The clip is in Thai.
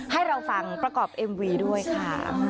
ให้เราฟังประกอบเอ็มวีด้วยค่ะ